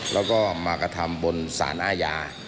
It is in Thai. แล้วก็มากระทำบนสารอาญา